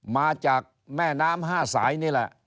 มาจากแม่น้ำ๕สายนี่แหละ